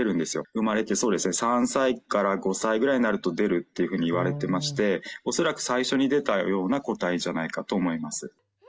生まれて、そうですね、３歳から５歳ぐらいになると出るというふうにいわれてまして、恐らく最初に出たような個体じゃないかと思います。